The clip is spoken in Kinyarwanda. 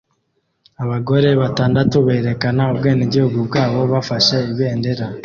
Abagore batandatu berekana ubwenegihugu bwabo bafashe ibendera